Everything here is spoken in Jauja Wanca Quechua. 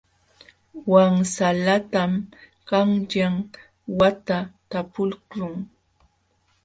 Wansalatam qanyan wata talpuqlun.